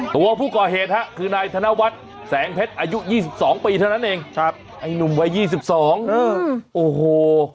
ตัวผู้ก่อเหตุฮะคือนายธนวัฒน์แสงเพชรอายุ๒๒ปีเท่านั้นเองครับไอ้หนุ่มวัย๒๒โอ้โห